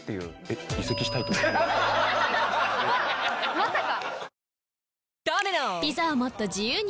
まさか！